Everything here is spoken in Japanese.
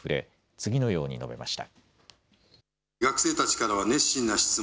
次のように述べました。